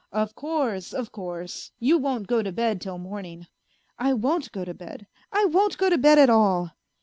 " Of course, of course, you won't go to bed till morning." " I won't go to bed, I won't go to bed at all."